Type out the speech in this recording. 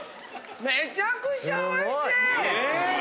めちゃくちゃおいしい！